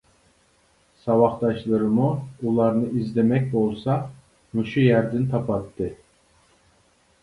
ساۋاقداشلىرىمۇ ئۇلارنى ئىزدىمەك بولسا مۇشۇ يەردىن تاپاتتى.